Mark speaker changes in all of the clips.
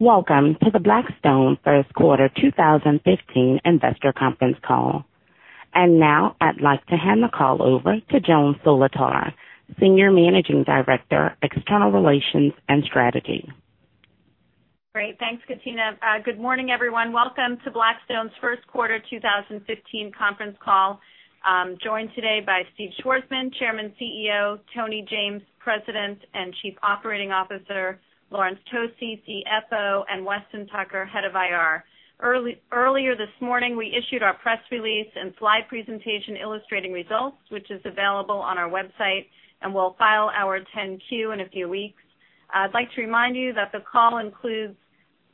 Speaker 1: Welcome to the Blackstone first quarter 2015 investor conference call. Now I'd like to hand the call over to Joan Solotar, Senior Managing Director, External Relations and Strategy.
Speaker 2: Great. Thanks, Katina. Good morning, everyone. Welcome to Blackstone's first quarter 2015 conference call. I'm joined today by Steve Schwarzman, Chairman, CEO; Tony James, President and Chief Operating Officer; Laurence Tosi, CFO; and Weston Tucker, Head of IR. Earlier this morning, we issued our press release and slide presentation illustrating results, which is available on our website, and we'll file our 10-Q in a few weeks. I'd like to remind you that the call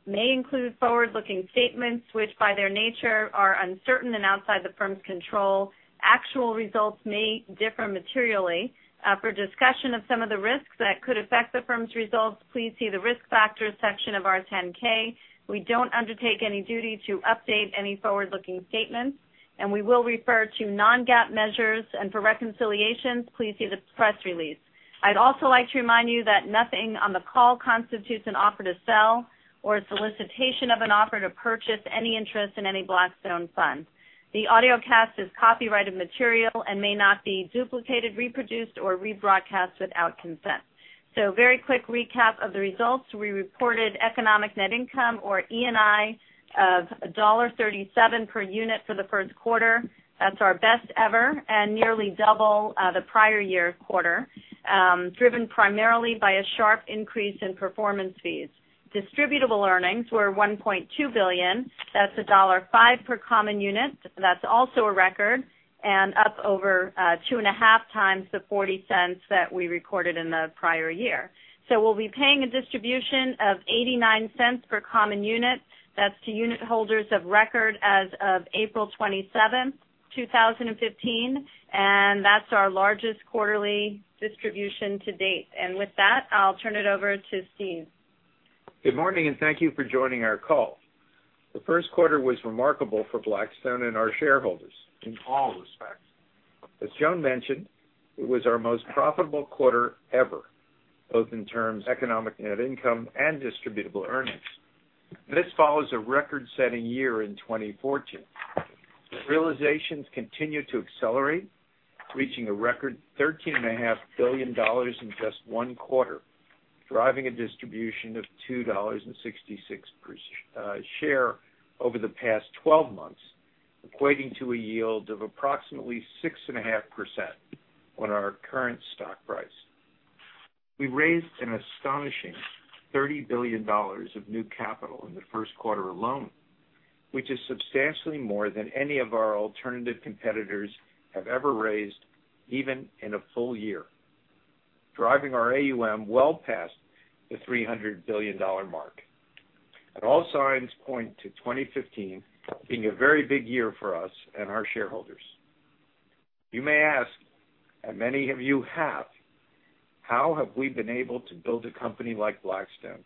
Speaker 2: may include forward-looking statements, which by their nature are uncertain and outside the firm's control. Actual results may differ materially. For discussion of some of the risks that could affect the firm's results, please see the Risk Factors section of our 10-K. We don't undertake any duty to update any forward-looking statements. We will refer to non-GAAP measures. For reconciliations, please see the press release. I'd also like to remind you that nothing on the call constitutes an offer to sell or a solicitation of an offer to purchase any interest in any Blackstone fund. The audiocast is copyrighted material and may not be duplicated, reproduced, or rebroadcast without consent. A very quick recap of the results. We reported economic net income, or ENI, of $1.37 per unit for the first quarter. That's our best ever and nearly double the prior year quarter, driven primarily by a sharp increase in performance fees. Distributable earnings were $1.2 billion. That's $1.05 per common unit. That's also a record, and up over two and a half times the $0.40 that we recorded in the prior year. We'll be paying a distribution of $0.89 per common unit. That's to unit holders of record as of April 27th, 2015, and that's our largest quarterly distribution to date. With that, I'll turn it over to Steve.
Speaker 3: Good morning, and thank you for joining our call. The first quarter was remarkable for Blackstone and our shareholders in all respects. As Joan mentioned, it was our most profitable quarter ever, both in terms of economic net income and distributable earnings. This follows a record-setting year in 2014. Realizations continue to accelerate, reaching a record $13.5 billion in just one quarter, driving a distribution of $2.66 per share over the past 12 months, equating to a yield of approximately 6.5% on our current stock price. We raised an astonishing $30 billion of new capital in the first quarter alone, which is substantially more than any of our alternative competitors have ever raised, even in a full year, driving our AUM well past the $300 billion mark. All signs point to 2015 being a very big year for us and our shareholders. You may ask, and many of you have, how have we been able to build a company like Blackstone?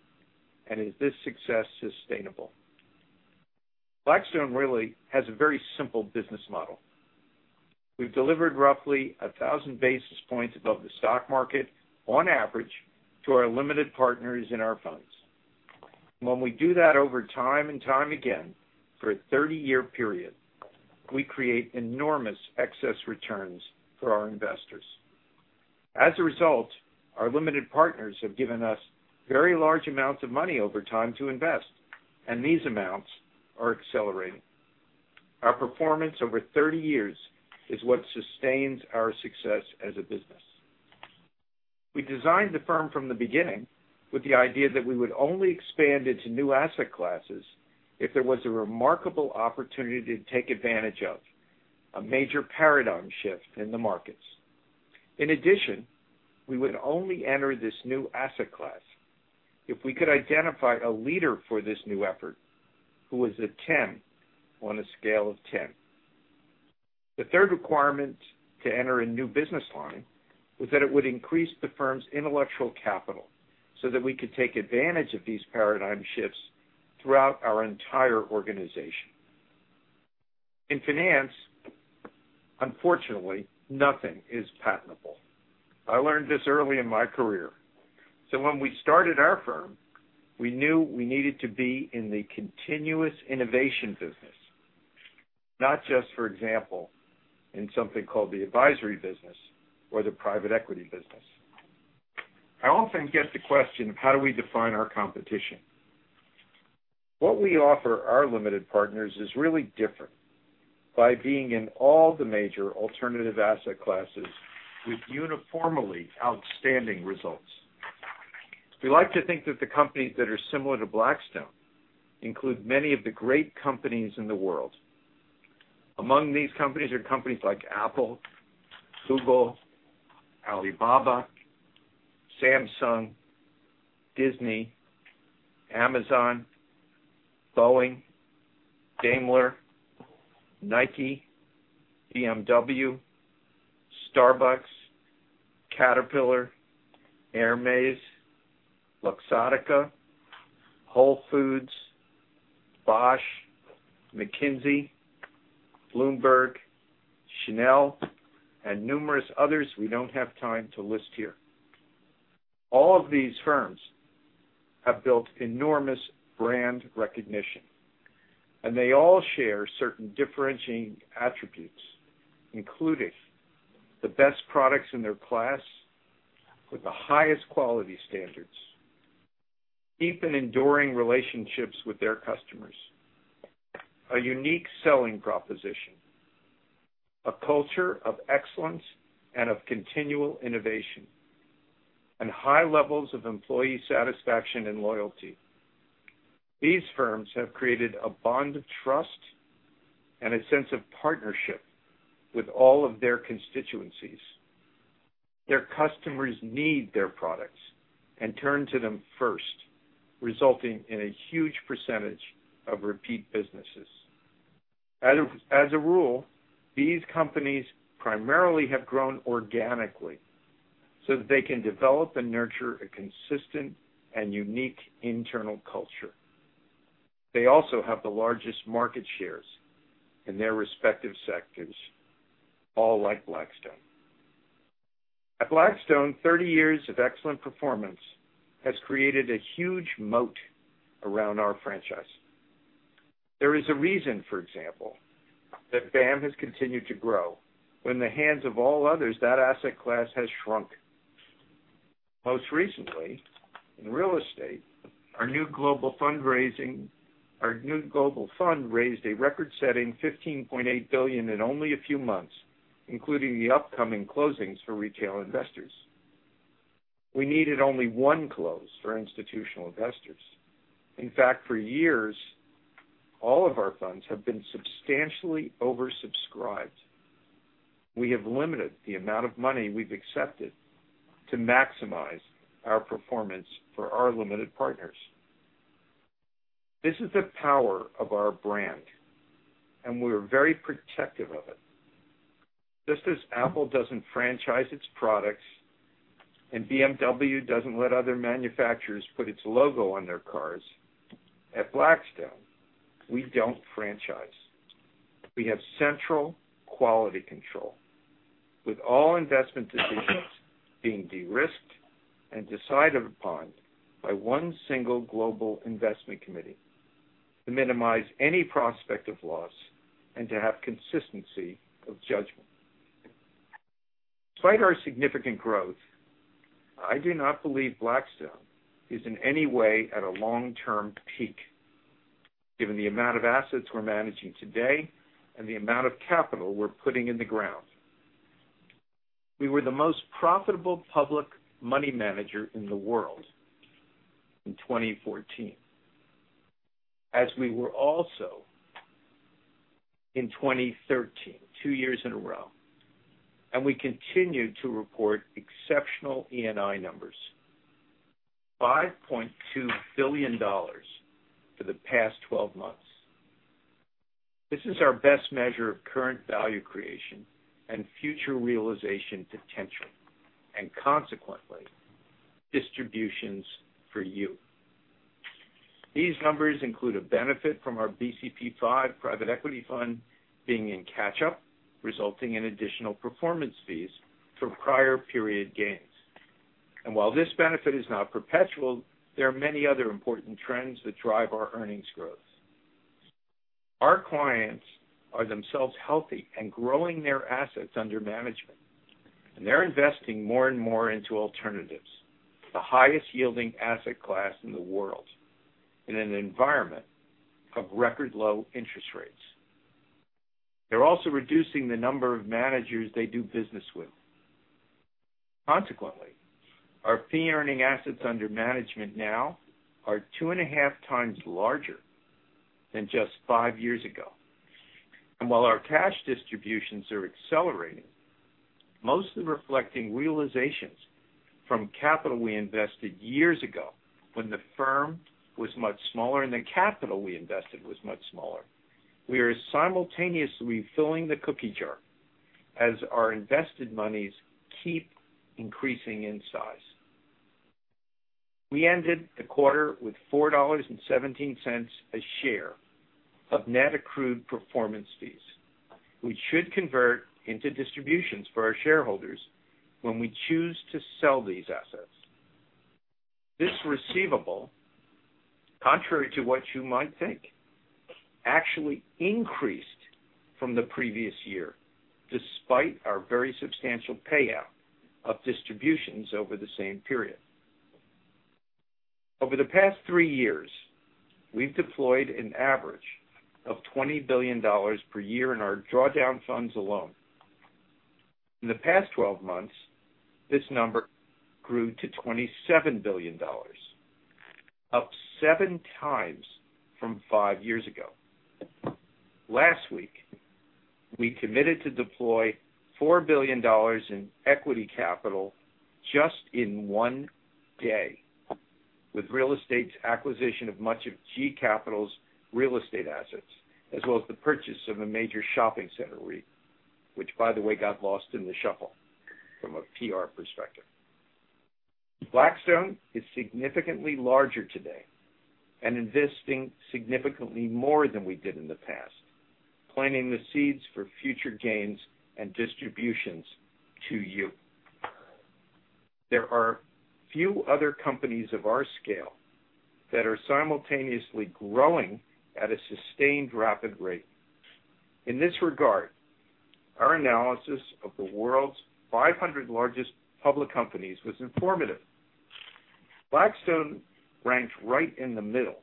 Speaker 3: Is this success sustainable? Blackstone really has a very simple business model. We've delivered roughly 1,000 basis points above the stock market on average to our Limited Partners in our funds. When we do that over time and time again for a 30-year period, we create enormous excess returns for our investors. As a result, our Limited Partners have given us very large amounts of money over time to invest, and these amounts are accelerating. Our performance over 30 years is what sustains our success as a business. We designed the firm from the beginning with the idea that we would only expand into new asset classes if there was a remarkable opportunity to take advantage of, a major paradigm shift in the markets. In addition, we would only enter this new asset class if we could identify a leader for this new effort who was a 10 on a scale of 10. The third requirement to enter a new business line was that it would increase the firm's intellectual capital so that we could take advantage of these paradigm shifts throughout our entire organization. In finance, unfortunately, nothing is patentable. I learned this early in my career. When we started our firm, we knew we needed to be in the continuous innovation business, not just, for example, in something called the advisory business or the private equity business. I often get the question of how do we define our competition. What we offer our Limited Partners is really different by being in all the major alternative asset classes with uniformly outstanding results. We like to think that the companies that are similar to Blackstone include many of the great companies in the world. Among these companies are companies like Apple, Google, Alibaba, Samsung, Disney, Amazon, Boeing, Daimler, Nike, BMW, Starbucks, Caterpillar, Hermès, Luxottica, Whole Foods Market, Bosch, McKinsey, Bloomberg, Chanel, and numerous others we don't have time to list here. All of these firms have built enormous brand recognition, and they all share certain differentiating attributes, including the best products in their class with the highest quality standards, deep and enduring relationships with their customers, a unique selling proposition, a culture of excellence and of continual innovation, and high levels of employee satisfaction and loyalty. These firms have created a bond of trust and a sense of partnership with all of their constituencies. Their customers need their products and turn to them first, resulting in a huge percentage of repeat businesses. As a rule, these companies primarily have grown organically so that they can develop and nurture a consistent and unique internal culture. They also have the largest market shares in their respective sectors, all like Blackstone. At Blackstone, 30 years of excellent performance has created a huge moat around our franchise. There is a reason, for example, that BAAM has continued to grow when in the hands of all others, that asset class has shrunk. Most recently, in real estate, our new global fund raised a record-setting $15.8 billion in only a few months, including the upcoming closings for retail investors. We needed only one close for institutional investors. In fact, for years, all of our funds have been substantially oversubscribed. We have limited the amount of money we've accepted to maximize our performance for our Limited Partners. This is the power of our brand, and we're very protective of it. Just as Apple doesn't franchise its products, and BMW doesn't let other manufacturers put its logo on their cars, at Blackstone, we don't franchise. We have central quality control, with all investment decisions being de-risked and decided upon by one single global investment committee to minimize any prospect of loss and to have consistency of judgment. Despite our significant growth, I do not believe Blackstone is in any way at a long-term peak, given the amount of assets we're managing today and the amount of capital we're putting in the ground. We were the most profitable public money manager in the world in 2014, as we were also in 2013, two years in a row. We continue to report exceptional ENI numbers, $5.2 billion for the past 12 months. This is our best measure of current value creation and future realization potential, and consequently, distributions for you. These numbers include a benefit from our BCP V private equity fund being in catch-up, resulting in additional performance fees from prior period gains. While this benefit is not perpetual, there are many other important trends that drive our earnings growth. Our clients are themselves healthy and growing their assets under management, and they're investing more and more into alternatives, the highest yielding asset class in the world, in an environment of record low interest rates. They're also reducing the number of managers they do business with. Consequently, our fee-earning assets under management now are two and a half times larger than just five years ago. While our cash distributions are accelerating, mostly reflecting realizations from capital we invested years ago when the firm was much smaller and the capital we invested was much smaller, we are simultaneously filling the cookie jar as our invested monies keep increasing in size. We ended the quarter with $4.17 a share of net accrued performance fees. We should convert into distributions for our shareholders when we choose to sell these assets. This receivable, contrary to what you might think, actually increased from the previous year, despite our very substantial payout of distributions over the same period. Over the past three years, we've deployed an average of $20 billion per year in our drawdown funds alone. In the past 12 months, this number grew to $27 billion, up seven times from five years ago. Last week, we committed to deploy $4 billion in equity capital just in one day with real estate's acquisition of much of GE Capital's real estate assets, as well as the purchase of a major shopping center REIT, which by the way got lost in the shuffle from a PR perspective. Blackstone is significantly larger today and investing significantly more than we did in the past, planting the seeds for future gains and distributions to you. There are few other companies of our scale that are simultaneously growing at a sustained rapid rate. In this regard, our analysis of the world's 500 largest public companies was informative. Blackstone ranked right in the middle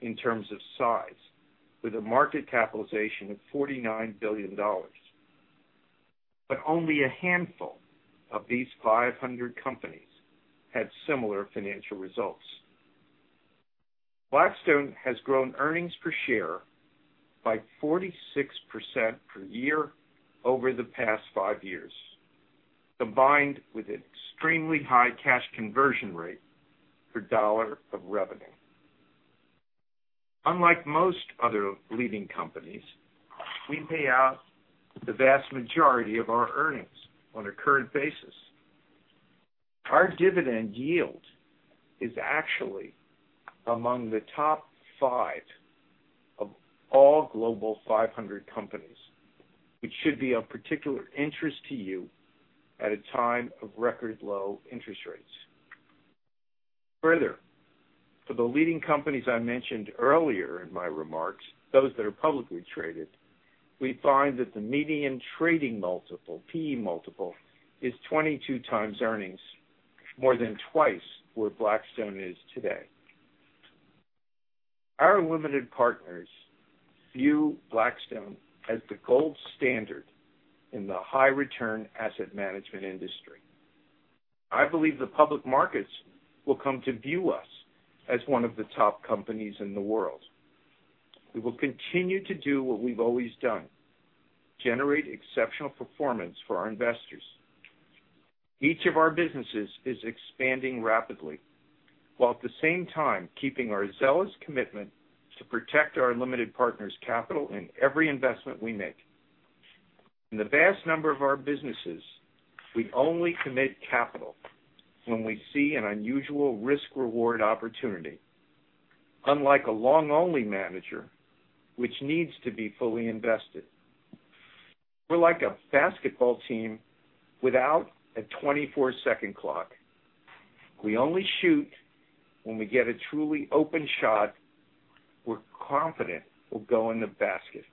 Speaker 3: in terms of size, with a market capitalization of $49 billion. Only a handful of these 500 companies had similar financial results. Blackstone has grown earnings per share by 46% per year over the past five years, combined with an extremely high cash conversion rate per dollar of revenue. Unlike most other leading companies, we pay out the vast majority of our earnings on a current basis. Our dividend yield is actually among the top five of all Global 500 companies, which should be of particular interest to you at a time of record low interest rates. Further, for the leading companies I mentioned earlier in my remarks, those that are publicly traded, we find that the median trading multiple, P/E multiple, is 22 times earnings, more than twice where Blackstone is today. Our Limited Partners view Blackstone as the gold standard in the high return asset management industry. I believe the public markets will come to view us as one of the top companies in the world. We will continue to do what we've always done, generate exceptional performance for our investors. Each of our businesses is expanding rapidly, while at the same time, keeping our zealous commitment to protect our Limited Partners' capital in every investment we make. In the vast number of our businesses, we only commit capital when we see an unusual risk/reward opportunity, unlike a long-only manager, which needs to be fully invested. We're like a basketball team without a 24-second clock. We only shoot when we get a truly open shot we're confident will go in the basket.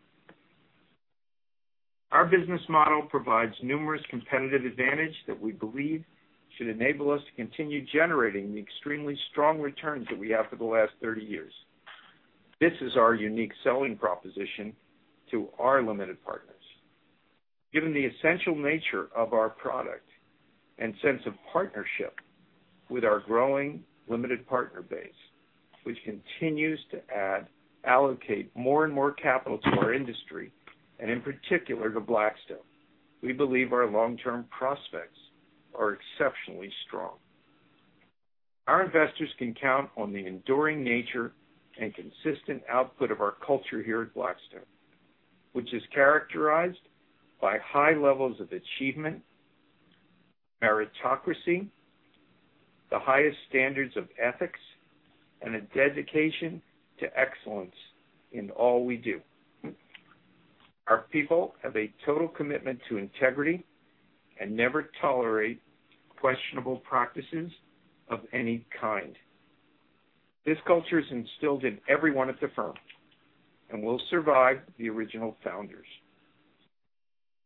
Speaker 3: Our business model provides numerous competitive advantage that we believe should enable us to continue generating the extremely strong returns that we have for the last 30 years. This is our unique selling proposition to our Limited Partners. Given the essential nature of our product and sense of partnership with our growing Limited Partner base, which continues to add, allocate more and more capital to our industry, and in particular to Blackstone, we believe our long-term prospects are exceptionally strong. Our investors can count on the enduring nature and consistent output of our culture here at Blackstone, which is characterized by high levels of achievement, meritocracy, the highest standards of ethics, and a dedication to excellence in all we do. Our people have a total commitment to integrity and never tolerate questionable practices of any kind. This culture is instilled in every one at the firm and will survive the original founders.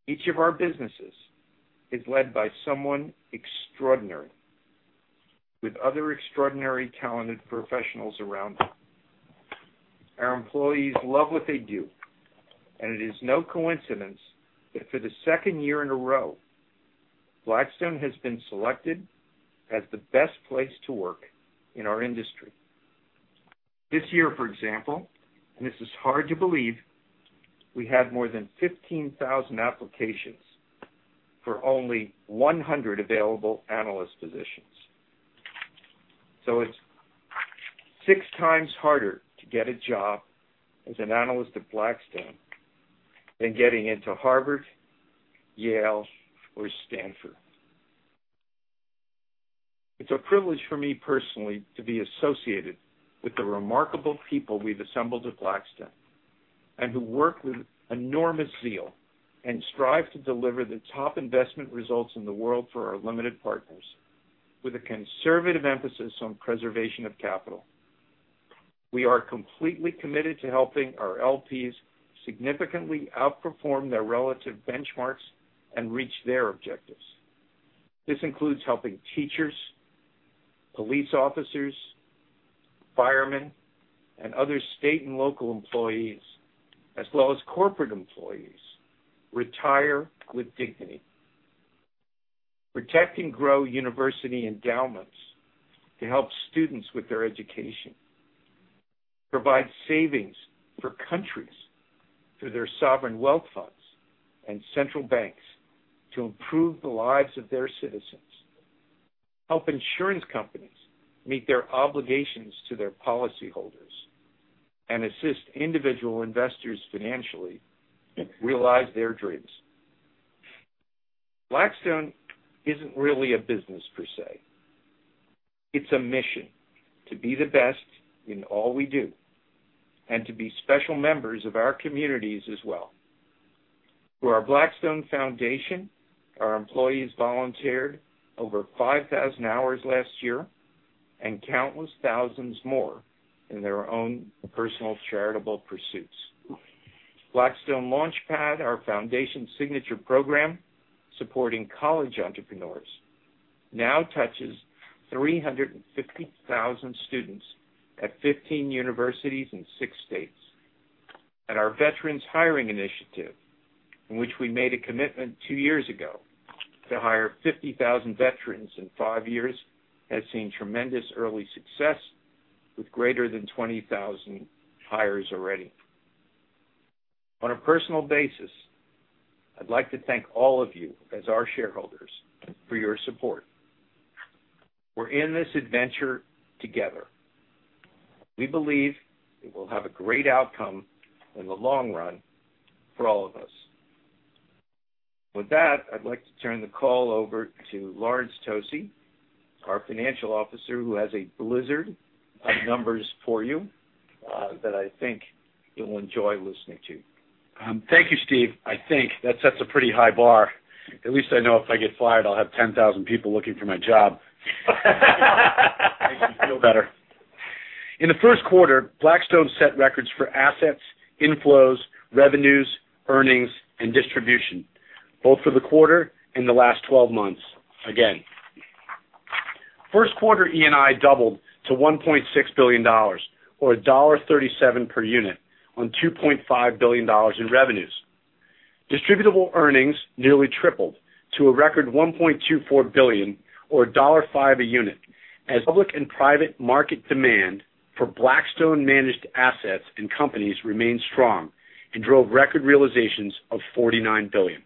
Speaker 3: Each of our businesses is led by someone extraordinary with other extraordinary talented professionals around them. Our employees love what they do. It is no coincidence that for the second year in a row, Blackstone has been selected as the best place to work in our industry. This year, for example, this is hard to believe, we had more than 15,000 applications for only 100 available analyst positions. It's six times harder to get a job as an analyst at Blackstone than getting into Harvard, Yale, or Stanford. It's a privilege for me personally to be associated with the remarkable people we've assembled at Blackstone, who work with enormous zeal and strive to deliver the top investment results in the world for our limited partners, with a conservative emphasis on preservation of capital. We are completely committed to helping our LPs significantly outperform their relative benchmarks and reach their objectives. This includes helping teachers, police officers, firemen, and other state and local employees, as well as corporate employees, retire with dignity. Protect and grow university endowments to help students with their education. Provide savings for countries through their sovereign wealth funds and central banks to improve the lives of their citizens. Help insurance companies meet their obligations to their policyholders. Assist individual investors financially realize their dreams. Blackstone isn't really a business per se. It's a mission to be the best in all we do and to be special members of our communities as well. Through our Blackstone Foundation, our employees volunteered over 5,000 hours last year, and countless thousands more in their own personal charitable pursuits. Blackstone LaunchPad, our foundation's signature program supporting college entrepreneurs, now touches 350,000 students at 15 universities in six states. Our Veterans Hiring Initiative, in which we made a commitment two years ago to hire 50,000 veterans in five years, has seen tremendous early success with greater than 20,000 hires already. On a personal basis, I'd like to thank all of you as our shareholders for your support. We're in this adventure together. We believe it will have a great outcome in the long run for all of us. With that, I'd like to turn the call over to Laurence Tosi, our financial officer, who has a blizzard of numbers for you that I think you'll enjoy listening to.
Speaker 4: Thank you, Steve. I think that sets a pretty high bar. At least I know if I get fired, I'll have 10,000 people looking for my job. Make me feel better. In the first quarter, Blackstone set records for assets, inflows, revenues, earnings, and distribution, both for the quarter and the last 12 months again. First quarter ENI doubled to $1.6 billion, or $1.37 per unit on $2.5 billion in revenues. Distributable earnings nearly tripled to a record $1.24 billion, or $1.05 a unit, as public and private market demand for Blackstone-managed assets and companies remained strong and drove record realizations of $49 billion.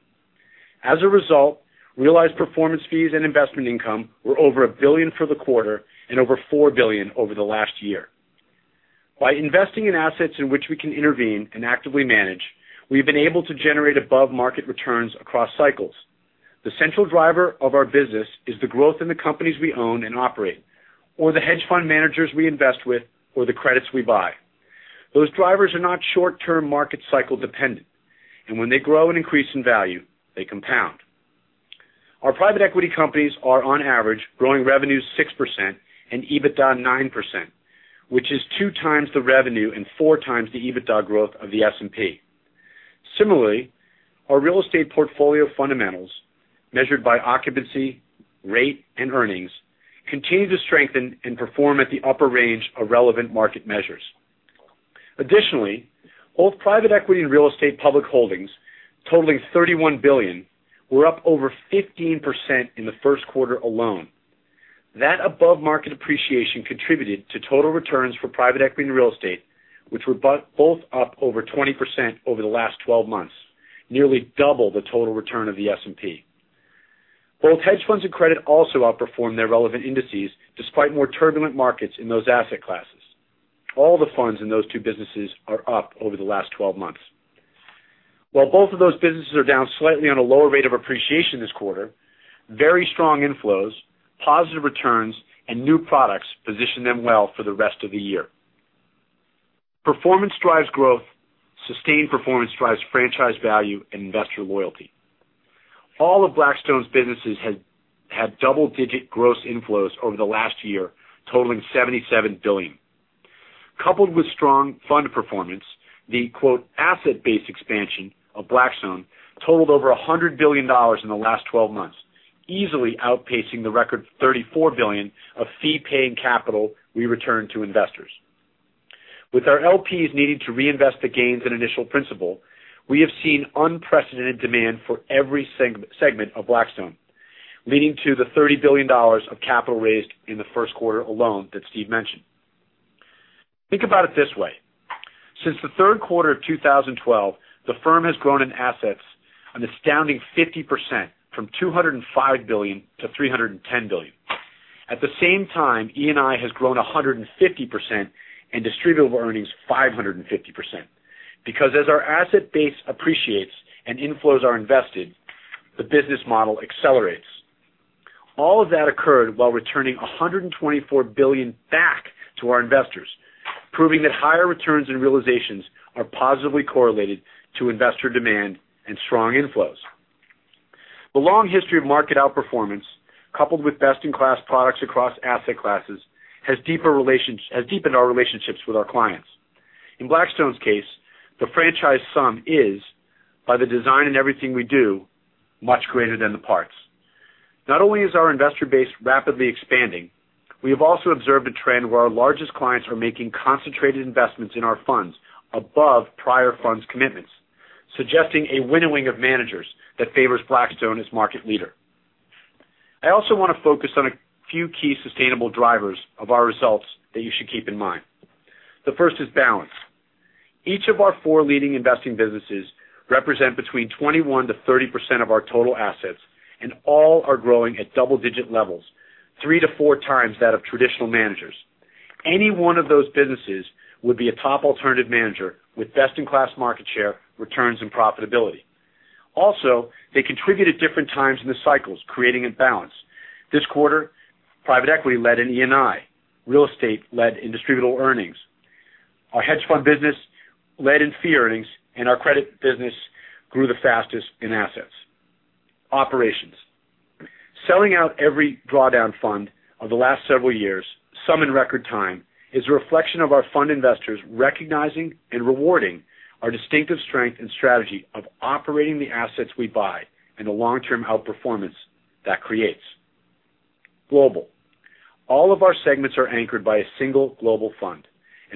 Speaker 4: As a result, realized performance fees and investment income were over $1 billion for the quarter and over $4 billion over the last year. By investing in assets in which we can intervene and actively manage, we've been able to generate above-market returns across cycles. The central driver of our business is the growth in the companies we own and operate, or the hedge fund managers we invest with, or the credits we buy. Those drivers are not short-term market cycle dependent, and when they grow and increase in value, they compound. Our private equity companies are, on average, growing revenues 6% and EBITDA 9%, which is 2 times the revenue and 4 times the EBITDA growth of the S&P. Similarly, our real estate portfolio fundamentals, measured by occupancy, rate, and earnings, continue to strengthen and perform at the upper range of relevant market measures. Additionally, both private equity and real estate public holdings totaling $31 billion were up over 15% in the first quarter alone. That above-market appreciation contributed to total returns for private equity and real estate, which were both up over 20% over the last 12 months, nearly double the total return of the S&P. Both hedge funds and credit also outperformed their relevant indices, despite more turbulent markets in those asset classes. All the funds in those two businesses are up over the last 12 months. While both of those businesses are down slightly on a lower rate of appreciation this quarter, very strong inflows, positive returns, and new products position them well for the rest of the year. Performance drives growth. Sustained performance drives franchise value and investor loyalty. All of Blackstone's businesses had double-digit gross inflows over the last year, totaling $77 billion. Coupled with strong fund performance, the quote, "asset base expansion" of Blackstone totaled over $100 billion in the last 12 months, easily outpacing the record $34 billion of fee-paying capital we returned to investors. With our LPs needing to reinvest the gains in initial principle, we have seen unprecedented demand for every segment of Blackstone, leading to the $30 billion of capital raised in the first quarter alone that Steve mentioned. Think about it this way. Since the third quarter of 2012, the firm has grown in assets an astounding 50%, from $205 billion to $310 billion. At the same time, ENI has grown 150% and distributable earnings 550%, because as our asset base appreciates and inflows are invested, the business model accelerates. All of that occurred while returning $124 billion back to our investors, proving that higher returns and realizations are positively correlated to investor demand and strong inflows. The long history of market outperformance, coupled with best-in-class products across asset classes, has deepened our relationships with our clients. In Blackstone's case, the franchise sum is, by the design in everything we do, much greater than the parts. Not only is our investor base rapidly expanding, we have also observed a trend where our largest clients are making concentrated investments in our funds above prior funds commitments, suggesting a winnowing of managers that favors Blackstone as market leader. I also want to focus on a few key sustainable drivers of our results that you should keep in mind. The first is balance. Each of our four leading investing businesses represent between 21%-30% of our total assets, and all are growing at double-digit levels, 3 to 4 times that of traditional managers. Any one of those businesses would be a top alternative manager with best-in-class market share, returns, and profitability. Also, they contribute at different times in the cycles, creating a balance. This quarter, private equity led in ENI. Real estate led in distributable earnings. Our hedge fund business led in fee earnings, and our credit business grew the fastest in assets. Operations. Selling out every drawdown fund of the last several years, some in record time, is a reflection of our fund investors recognizing and rewarding our distinctive strength and strategy of operating the assets we buy and the long-term outperformance that creates. Global. All of our segments are anchored by a single global fund.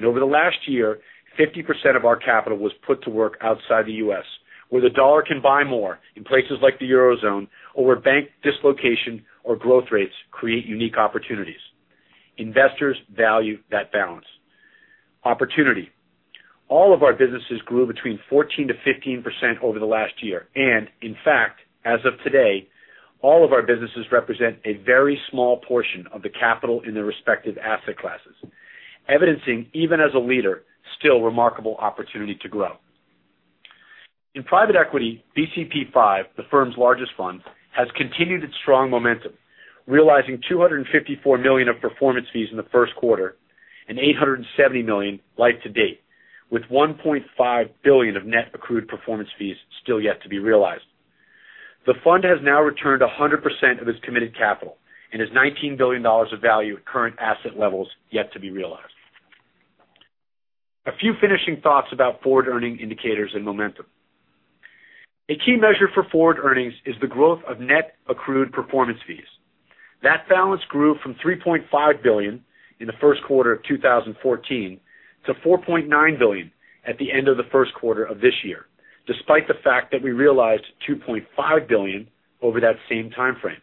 Speaker 4: Over the last year, 50% of our capital was put to work outside the U.S., where the dollar can buy more in places like the Eurozone or where bank dislocation or growth rates create unique opportunities. Investors value that balance. Opportunity. All of our businesses grew between 14%-15% over the last year. In fact, as of today, all of our businesses represent a very small portion of the capital in their respective asset classes, evidencing even as a leader still remarkable opportunity to grow. In private equity, BCP V, the firm's largest fund, has continued its strong momentum, realizing $254 million of performance fees in the first quarter and $870 million YTD, with $1.5 billion of net accrued performance fees still yet to be realized. The fund has now returned 100% of its committed capital and has $19 billion of value at current asset levels yet to be realized. A few finishing thoughts about forward earning indicators and momentum. A key measure for forward earnings is the growth of net accrued performance fees. That balance grew from $3.5 billion in the first quarter of 2014 to $4.9 billion at the end of the first quarter of this year, despite the fact that we realized $2.5 billion over that same timeframe.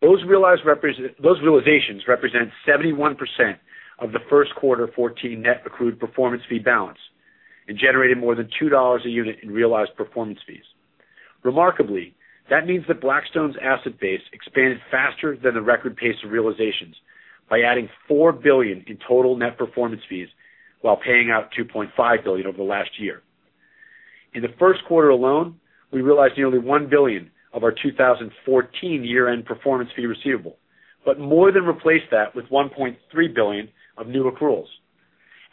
Speaker 4: Those realizations represent 71% of the first quarter 2014 net accrued performance fee balance and generated more than $2 a unit in realized performance fees. Remarkably, that means that Blackstone's asset base expanded faster than the record pace of realizations by adding $4 billion in total net performance fees while paying out $2.5 billion over the last year. In the first quarter alone, we realized nearly $1 billion of our 2014 year-end performance fee receivable, more than replaced that with $1.3 billion of new accruals.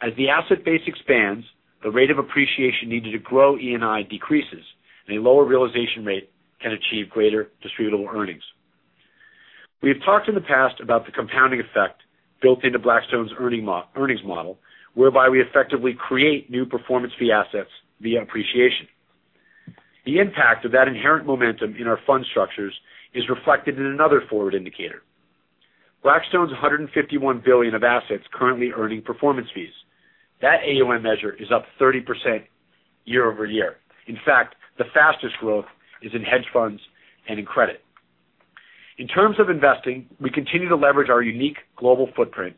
Speaker 4: As the asset base expands, the rate of appreciation needed to grow ENI decreases, and a lower realization rate can achieve greater distributable earnings. We've talked in the past about the compounding effect built into Blackstone's earnings model, whereby we effectively create new performance fee assets via appreciation. The impact of that inherent momentum in our fund structures is reflected in another forward indicator. Blackstone's $151 billion of assets currently earning performance fees. That AUM measure is up 30% year-over-year. In fact, the fastest growth is in hedge funds and in credit. In terms of investing, we continue to leverage our unique global footprint,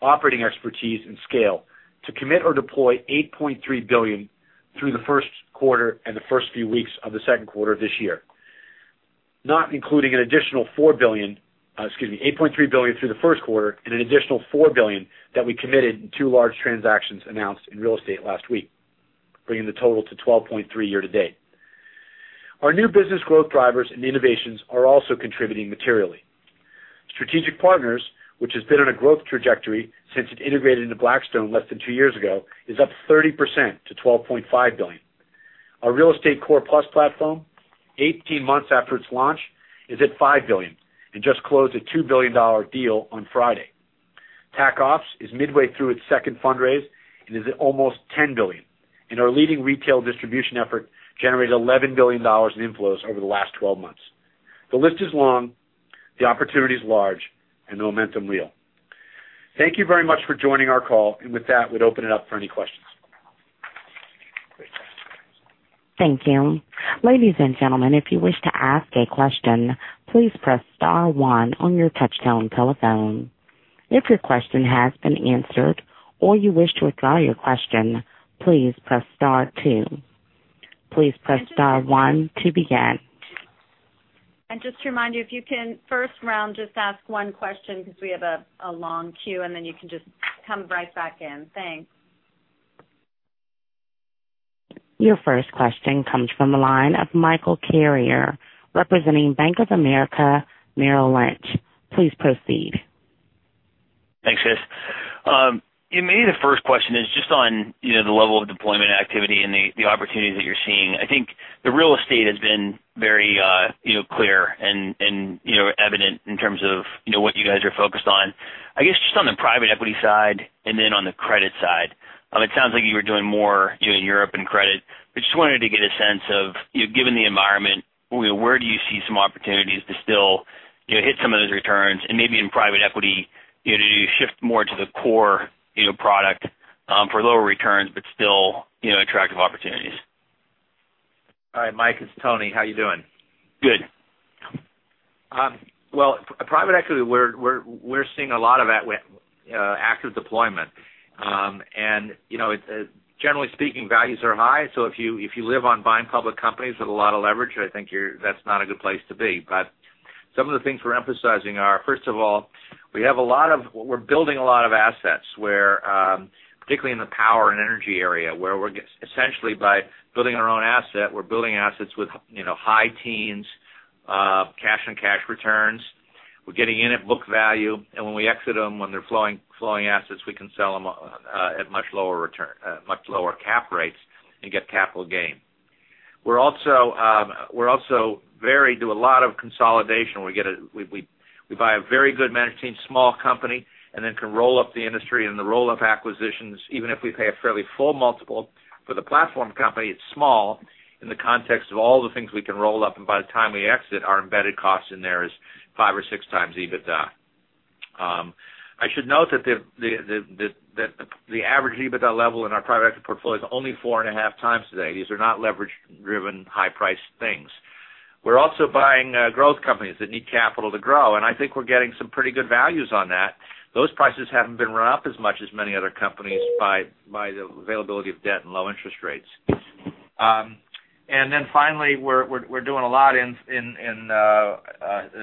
Speaker 4: operating expertise, and scale to commit or deploy $8.3 billion through the first quarter and the first few weeks of the second quarter this year. $8.3 billion through the first quarter and an additional $4 billion that we committed in two large transactions announced in real estate last week, bringing the total to $12.3 billion YTD. Our new business growth drivers and innovations are also contributing materially. Strategic Partners, which has been on a growth trajectory since it integrated into Blackstone less than two years ago, is up 30% to $12.5 billion. Our Real Estate Core Plus platform, 18 months after its launch, is at $5 billion and just closed a $2 billion deal on Friday. TAC Ops is midway through its second fundraise and is at almost $10 billion. Our leading retail distribution effort generated $11 billion in inflows over the last 12 months. The list is long, the opportunity is large, and the momentum real. Thank you very much for joining our call. With that, we'd open it up for any questions.
Speaker 1: Thank you. Ladies and gentlemen, if you wish to ask a question, please press star one on your touchtone telephone. If your question has been answered or you wish to withdraw your question, please press star two. Please press star one to begin.
Speaker 5: Just to remind you, if you can first round, just ask one question because we have a long queue, then you can just come right back in. Thanks.
Speaker 1: Your first question comes from the line of Michael Carrier, representing Bank of America Merrill Lynch. Please proceed.
Speaker 6: Thanks, Chris. Maybe the first question is just on the level of deployment activity and the opportunities that you're seeing. I think the real estate has been very clear and evident in terms of what you guys are focused on. I guess just on the private equity side and then on the credit side. It sounds like you were doing more in Europe and credit, but just wanted to get a sense of, given the environment, where do you see some opportunities to still hit some of those returns? Maybe in private equity, do you shift more to the core product for lower returns but still attractive opportunities?
Speaker 7: Hi, Mike, it's Tony. How you doing?
Speaker 6: Good.
Speaker 7: Private equity, we're seeing a lot of that with active deployment. Generally speaking, values are high. If you live on buying public companies with a lot of leverage, I think that's not a good place to be. Some of the things we're emphasizing are, first of all, we're building a lot of assets where, particularly in the power and energy area, where we're essentially by building our own asset, we're building assets with high teens cash and cash returns. We're getting in at book value, and when we exit them, when they're flowing assets, we can sell them at much lower cap rates and get capital gain. We also do a lot of consolidation. We buy a very good management team, small company, and then can roll up the industry. The roll-up acquisitions, even if we pay a fairly full multiple for the platform company, it's small in the context of all the things we can roll up. By the time we exit, our embedded cost in there is five or six times EBITDA. I should note that the average EBITDA level in our private equity portfolio is only four and a half times today. These are not leverage-driven high-priced things. We're also buying growth companies that need capital to grow, and I think we're getting some pretty good values on that. Those prices haven't been run up as much as many other companies by the availability of debt and low interest rates. Finally, we're doing a lot in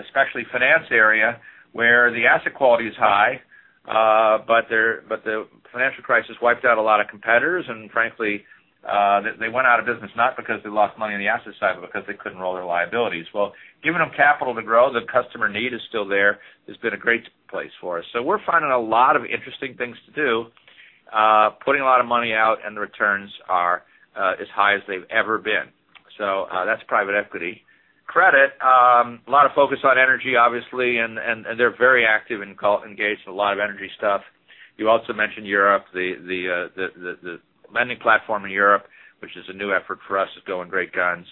Speaker 7: especially finance area where the asset quality is high, but the financial crisis wiped out a lot of competitors. Frankly, they went out of business not because they lost money on the asset side, but because they couldn't roll their liabilities. Well, giving them capital to grow, the customer need is still there, has been a great place for us. We're finding a lot of interesting things to do, putting a lot of money out, and the returns are as high as they've ever been. That's private equity. Credit, a lot of focus on energy, obviously, and they're very active and engaged in a lot of energy stuff. You also mentioned Europe. The lending platform in Europe, which is a new effort for us, is going great guns.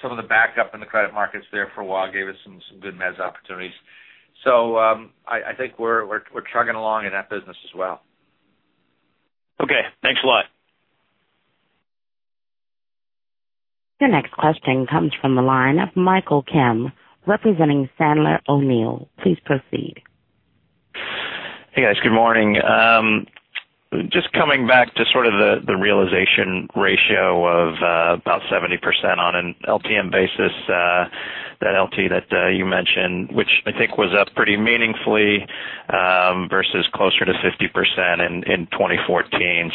Speaker 7: Some of the backup in the credit markets there for a while gave us some good mezz opportunities. I think we're chugging along in that business as well.
Speaker 6: Okay. Thanks a lot.
Speaker 1: Your next question comes from the line of Michael Kim representing Sandler O'Neill. Please proceed.
Speaker 8: Hey, guys. Good morning. Just coming back to sort of the realization ratio of about 70% on an LTM basis, that LT that you mentioned, which I think was up pretty meaningfully, versus closer to 50% in 2014.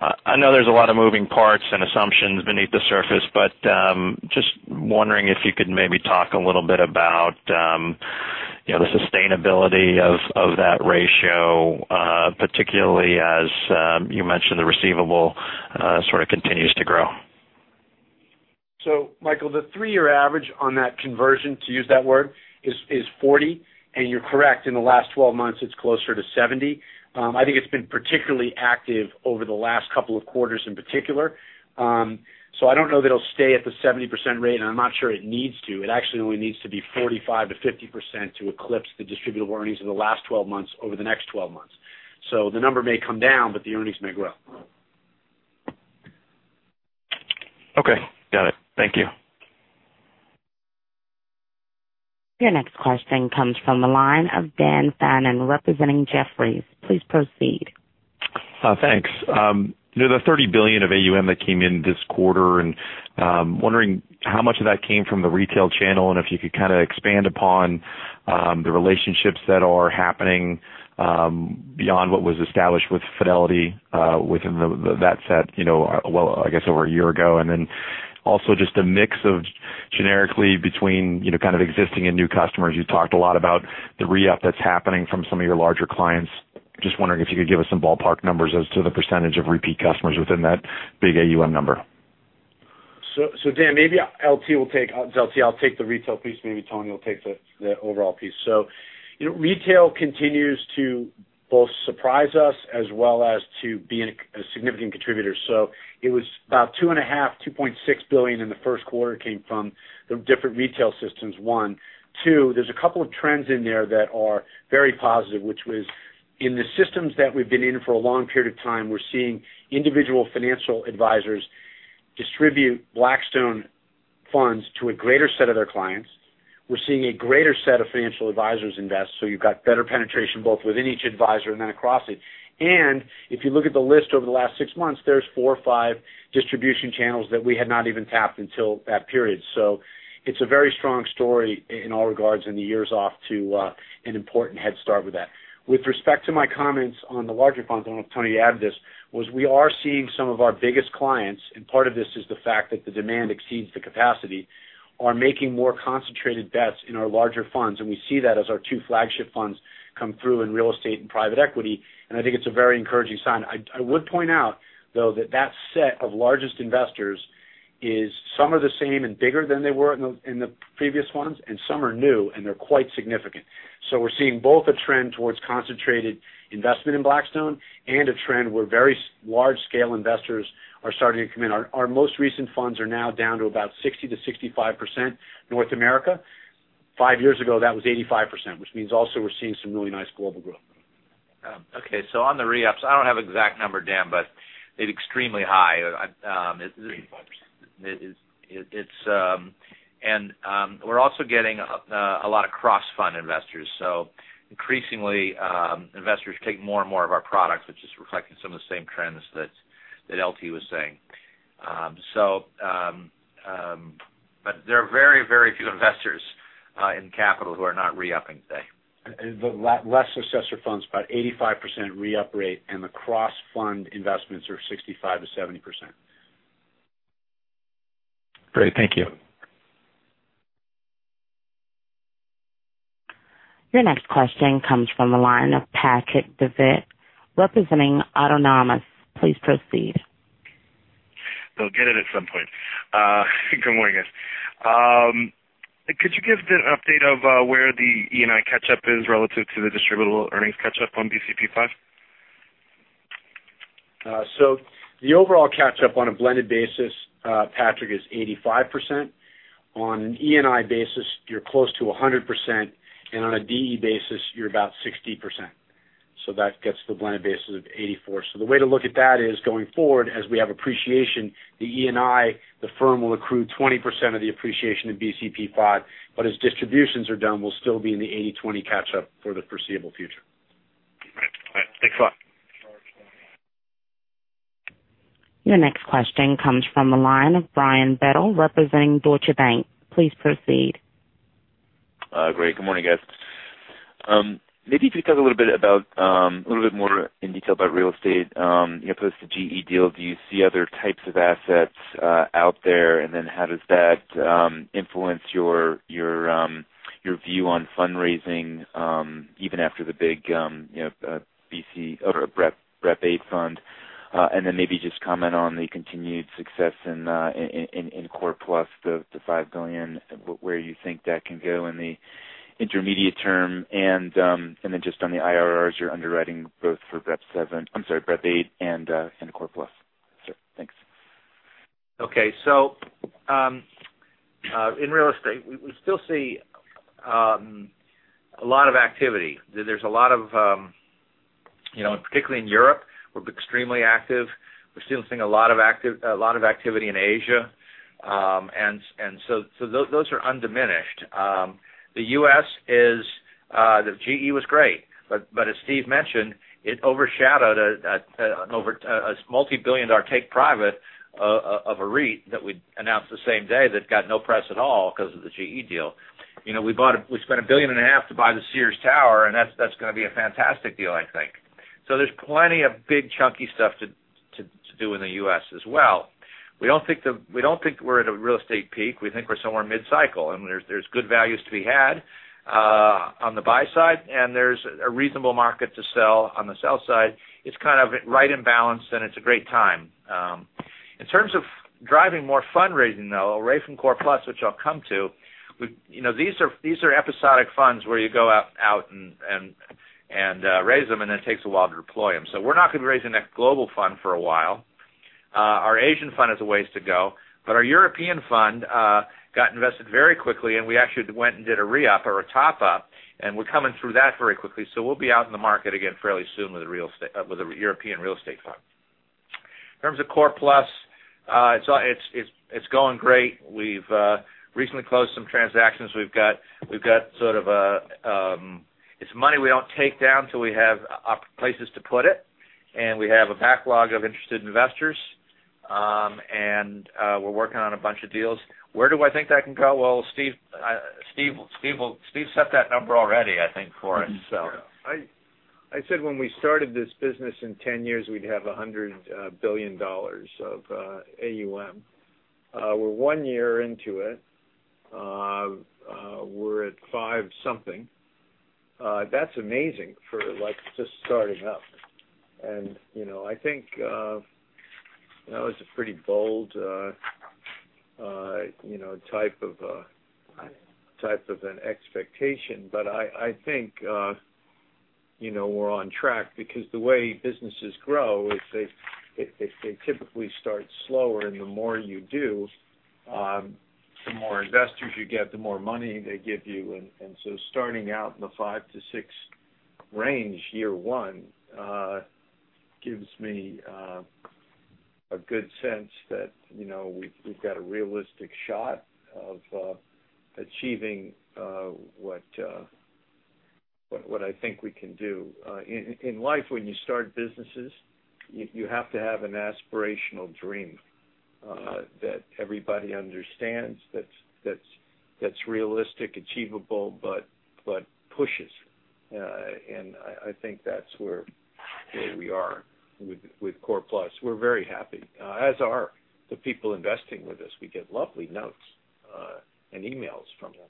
Speaker 8: I know there's a lot of moving parts and assumptions beneath the surface, but just wondering if you could maybe talk a little bit about the sustainability of that ratio, particularly as you mentioned, the receivable sort of continues to grow.
Speaker 4: Michael, the three-year average on that conversion, to use that word, is 40. You're correct, in the last 12 months, it's closer to 70. I think it's been particularly active over the last couple of quarters in particular. I don't know that it'll stay at the 70% rate, and I'm not sure it needs to. It actually only needs to be 45%-50% to eclipse the distributable earnings in the last 12 months over the next 12 months. The number may come down, but the earnings may grow.
Speaker 8: Okay, got it. Thank you.
Speaker 1: Your next question comes from the line of Daniel Fannon representing Jefferies. Please proceed.
Speaker 9: Thanks. The $30 billion of AUM that came in this quarter, wondering how much of that came from the retail channel and if you could kind of expand upon the relationships that are happening beyond what was established with Fidelity within that set, well, I guess over a year ago. Then also just a mix of generically between existing and new customers. You talked a lot about the re-up that's happening from some of your larger clients. Just wondering if you could give us some ballpark numbers as to the percentage of repeat customers within that big AUM number.
Speaker 4: Dan, maybe LT will take, I'll take the retail piece. Maybe Tony will take the overall piece. Retail continues to both surprise us as well as to being a significant contributor. It was about two and a half, $2.6 billion in the first quarter came from the different retail systems, one. Two, there's a couple of trends in there that are very positive, which was in the systems that we've been in for a long period of time, we're seeing individual financial advisors distribute Blackstone funds to a greater set of their clients. We're seeing a greater set of financial advisors invest. You've got better penetration both within each advisor and then across it. If you look at the list over the last six months, there's four or five distribution channels that we had not even tapped until that period. It's a very strong story in all regards in the years off to an important head start with that. With respect to my comments on the larger funds, I don't know if Tony added this, was we are seeing some of our biggest clients, and part of this is the fact that the demand exceeds the capacity, are making more concentrated bets in our larger funds. We see that as our two flagship funds come through in real estate and private equity. I think it's a very encouraging sign. I would point out, though, that that set of largest investors is some are the same and bigger than they were in the previous ones, and some are new and they're quite significant. We're seeing both a trend towards concentrated investment in Blackstone and a trend where very large-scale investors are starting to come in. Our most recent funds are now down to about 60%-65% North America. Five years ago, that was 85%, which means also we're seeing some really nice global growth.
Speaker 7: Okay. On the re-ups, I don't have an exact number, Dan, but it is extremely high.
Speaker 4: 85%.
Speaker 7: We're also getting a lot of cross-fund investors. Increasingly, investors take more and more of our products, which is reflecting some of the same trends that LT was saying. There are very, very few investors in capital who are not re-upping today.
Speaker 4: The less successful funds, about 85% re-up rate, and the cross-fund investments are 65%-70%.
Speaker 9: Great. Thank you.
Speaker 1: Your next question comes from the line of Patrick Davitt representing Autonomous. Please proceed.
Speaker 10: They'll get it at some point. Good morning, guys. Could you give an update of where the ENI catch-up is relative to the distributable earnings catch-up on BCP V?
Speaker 4: The overall catch-up on a blended basis, Patrick, is 85%. On an ENI basis, you're close to 100%, and on a DE basis, you're about 60%. That gets the blended basis of 84. The way to look at that is going forward, as we have appreciation, the ENI, the firm will accrue 20% of the appreciation of BCP V. As distributions are done, we'll still be in the 80/20 catch-up for the foreseeable future.
Speaker 10: Right. Thanks a lot.
Speaker 1: Your next question comes from the line of Brian Bedell representing Deutsche Bank. Please proceed.
Speaker 11: Great. Good morning, guys. Maybe if you could talk a little bit more in detail about real estate. As opposed to GE deal, do you see other types of assets out there, and then how does that influence your view on fundraising, even after the big BREP VIII fund? Maybe just comment on the continued success in Core Plus, the $5 billion, where you think that can go in the intermediate term. Just on the IRRs you're underwriting both for BREP VII I'm sorry, BREP VIII and Core Plus. Thanks.
Speaker 7: Okay. In real estate, we still see a lot of activity. There's a lot of Particularly in Europe, we're extremely active. We're still seeing a lot of activity in Asia. Those are undiminished. The U.S. is-- the GE was great, but as Steve mentioned, it overshadowed a multi-billion-dollar take private of a REIT that we announced the same day that got no press at all because of the GE deal. We spent a billion and a half dollars to buy the Willis Tower, and that's going to be a fantastic deal, I think. There's plenty of big chunky stuff to do in the U.S. as well. We don't think we're at a real estate peak. We think we're somewhere mid-cycle, and there's good values to be had on the buy side, and there's a reasonable market to sell on the sell side. It's kind of right in balance, it's a great time. In terms of driving more fundraising, though, away from Core Plus, which I'll come to, these are episodic funds where you go out and raise them, then it takes a while to deploy them. We're not going to be raising that global fund for a while. Our Asian fund has a ways to go. Our European fund got invested very quickly, and we actually went and did a re-up or a top-up, and we're coming through that very quickly. We'll be out in the market again fairly soon with a European real estate fund. In terms of Core Plus, it's going great. We've recently closed some transactions. It's money we don't take down till we have places to put it. We have a backlog of interested investors. We're working on a bunch of deals. Where do I think that can go? Well, Steve set that number already, I think, for us.
Speaker 4: I said when we started this business, in 10 years, we'd have $100 billion of AUM. We're one year into it. We're at five something. That's amazing for just starting up. I think that was a pretty bold type of an expectation. I think we're on track because the way businesses grow is they typically start slower, and the more you do, the more investors you get, the more money they give you. Starting out in the five to six range year one gives me a good sense that we've got a realistic shot of achieving what I think we can do. In life, when you start businesses, you have to have an aspirational dream that everybody understands, that's realistic, achievable, but pushes. I think that's where we are with Core Plus. We're very happy, as are the people investing with us. We get lovely notes and emails from them.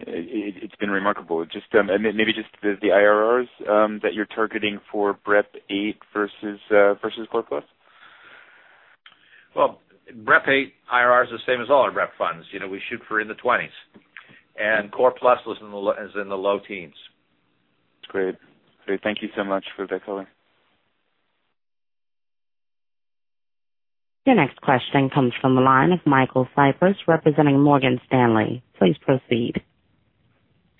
Speaker 11: It's been remarkable. Maybe just the IRRs that you're targeting for BREP VIII versus Core Plus.
Speaker 7: BREP VIII IRR is the same as all our Rep funds. We shoot for in the 20s. Core Plus is in the low 10s.
Speaker 11: Great. Thank you so much for that color.
Speaker 1: Your next question comes from the line of Michael Cyprys representing Morgan Stanley. Please proceed.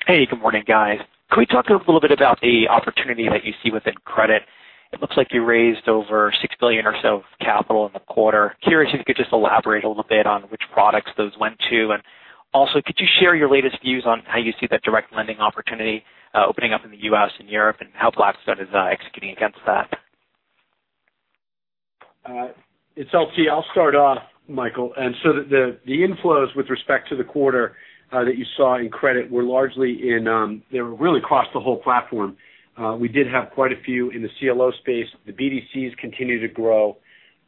Speaker 12: Hey, good morning, guys. Could we talk a little bit about the opportunity that you see within credit? It looks like you raised over $6 billion or so of capital in the quarter. Curious if you could just elaborate a little bit on which products those went to, and also could you share your latest views on how you see that direct lending opportunity opening up in the U.S. and Europe, and how Blackstone is executing against that?
Speaker 4: It's LT. I'll start off Michael. The inflows with respect to the quarter that you saw in credit were really across the whole platform. We did have quite a few in the CLO space. The BDCs continue to grow.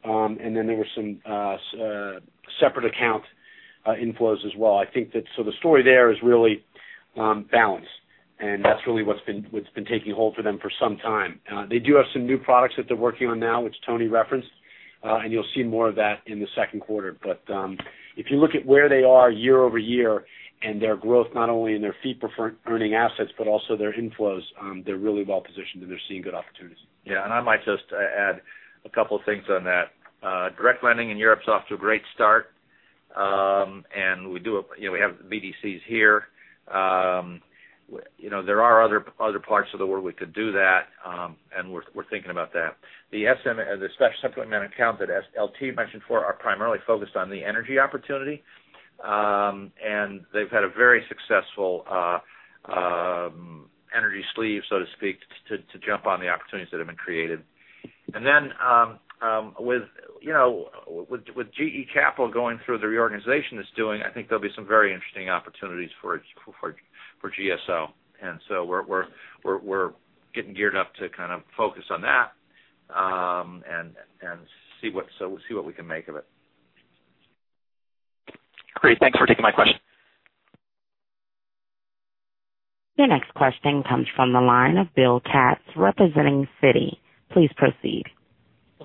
Speaker 4: There were some separate account inflows as well. I think that the story there is really balance, and that's really what's been taking hold for them for some time. They do have some new products that they're working on now, which Tony referenced. You'll see more of that in the second quarter. If you look at where they are year-over-year and their growth, not only in their fee earning assets, but also their inflows, they're really well-positioned, and they're seeing good opportunities.
Speaker 3: Yeah. I might just add a couple of things on that. Direct lending in Europe is off to a great start. We have BDCs here. There are other parts of the world we could do that. We're thinking about that. The special supplemental account that LT mentioned before are primarily focused on the energy opportunity. They've had a very successful energy sleeve, so to speak, to jump on the opportunities that have been created. With GE Capital going through the reorganization it's doing, I think there'll be some very interesting opportunities for GSO. We're getting geared up to focus on that, and see what we can make of it.
Speaker 12: Great. Thanks for taking my question.
Speaker 1: Your next question comes from the line of William Katz representing Citi. Please proceed.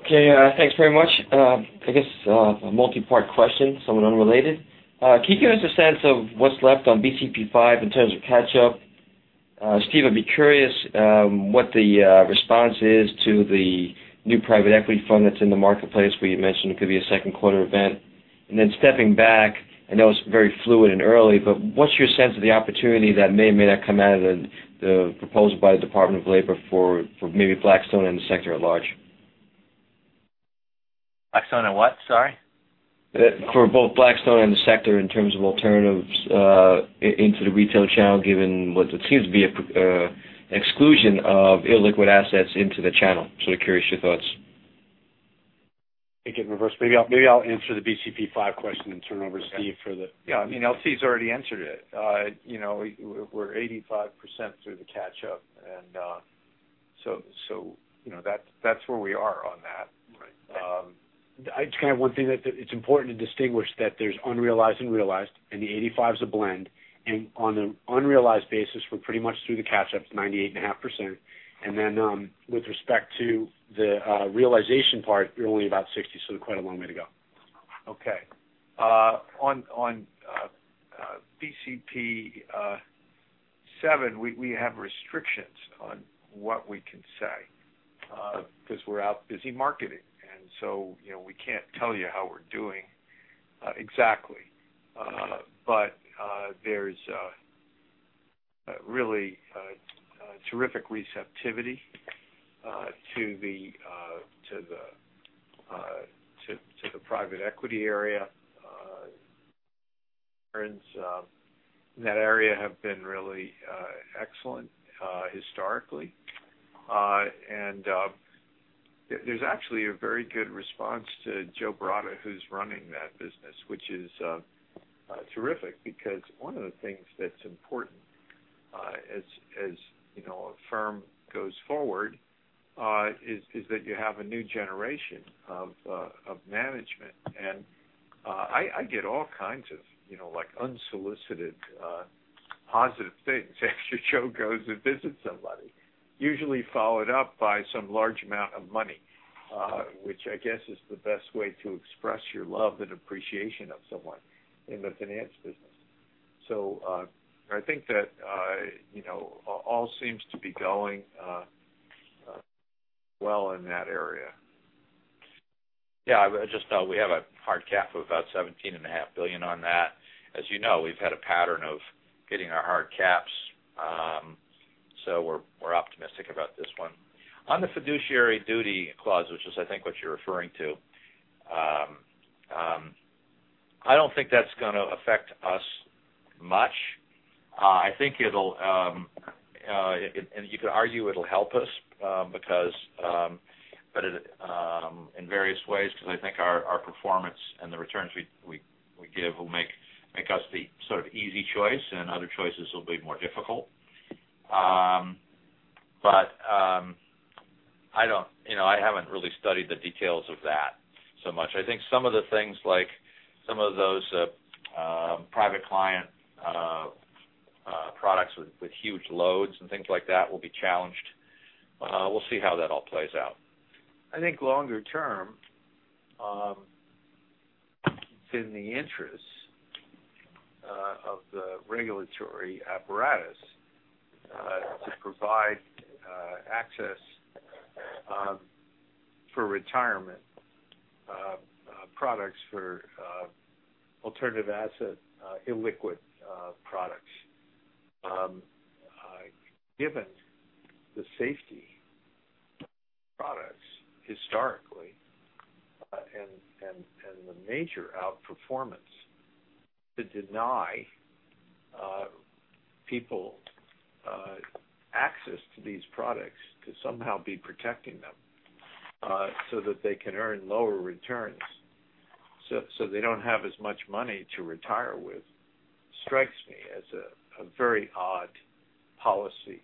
Speaker 13: Okay. Thanks very much. I guess a multi-part question, somewhat unrelated. Can you give us a sense of what's left on BCP V in terms of catch-up? Steve, I'd be curious, what the response is to the new private equity fund that's in the marketplace, where you mentioned it could be a second quarter event. Then stepping back, I know it's very fluid and early, but what's your sense of the opportunity that may or may not come out of the proposal by the Department of Labor for maybe Blackstone and the sector at large?
Speaker 3: Blackstone and what? Sorry.
Speaker 13: For both Blackstone and the sector in terms of alternatives into the retail channel, given what seems to be an exclusion of illiquid assets into the channel. Sort of curious your thoughts.
Speaker 4: Take it in reverse. Maybe I'll answer the BCP V question and turn it over to Steve.
Speaker 3: Yeah. I mean, LT's already answered it. We're 85% through the catch-up, that's where we are on that.
Speaker 4: Right. I just kind of one thing that it's important to distinguish that there's unrealized and realized, the 85 is a blend. On an unrealized basis, we're pretty much through the catch-up, it's 98.5%. With respect to the realization part, we're only about 60, quite a long way to go.
Speaker 3: Okay. On BCP VII, we have restrictions on what we can say, because we're out busy marketing. We can't tell you how we're doing exactly. There's really terrific receptivity to the private equity area. Returns in that area have been really excellent historically. There's actually a very good response to Joseph Baratta, who's running that business, which is terrific because one of the things that's important as a firm goes forward, is that you have a new generation of management. I get all kinds of unsolicited positive things after Joe goes and visits somebody, usually followed up by some large amount of money, which I guess is the best way to express your love and appreciation of someone in the finance business. I think that all seems to be going well in that area. Yeah. Just we have a hard cap of about seventeen and a half billion on that. As you know, we've had a pattern of hitting our hard caps. We're optimistic about this one. On the fiduciary duty clause, which is I think what you're referring to, I don't think that's going to affect us much. I think you could argue it'll help us because, in various ways, because I think our performance and the returns we give will make us the sort of easy choice, and other choices will be more difficult. I haven't really studied the details of that so much. I think some of the things like some of those private client products with huge loads and things like that will be challenged. We'll see how that all plays out.
Speaker 4: I think longer term
Speaker 3: It's in the interest of the regulatory apparatus to provide access for retirement products for alternative asset illiquid products. Given the safety products historically, and the major outperformance to deny people access to these products to somehow be protecting them, so that they can earn lower returns, so they don't have as much money to retire with, strikes me as a very odd policy